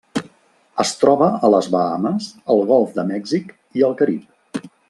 Es troba a les Bahames, el Golf de Mèxic i el Carib.